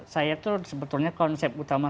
saya tuh sebetulnya konsep utama